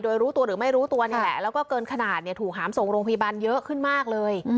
โดยรู้ตัวหรือไม่รู้ตัวนี่แหละแล้วก็เกินขนาดเนี่ยถูกหามส่งโรงพยาบาลเยอะขึ้นมากเลย